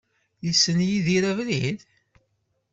Yessen Yidir abrid?